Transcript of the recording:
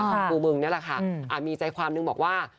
กูมึงนี่แหละค่ะมีใจความนึงบอกว่า